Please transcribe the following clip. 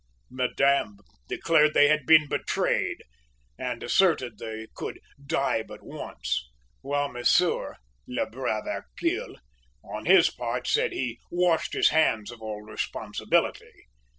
"Madame declared they had been `betrayed,' and asserted they could `die but once'; while monsieur, `le brave Hercule,' on his part, said he `washed his hands of all responsibility.'